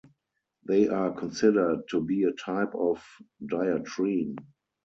They are considered to be a type of "diatreme".